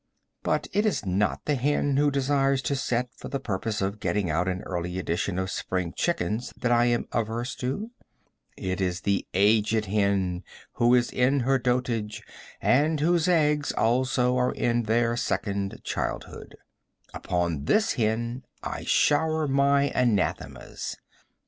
But it is not the hen who desires to set for the purpose of getting out an early edition of spring chickens that I am averse to. It is the aged hen, who is in her dotage, and whose eggs, also, are in their second childhood. Upon this hen I shower my anathemas.